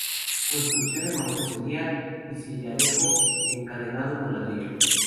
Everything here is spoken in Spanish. Construcción en mampostería y sillarejo encadenado con ladrillo.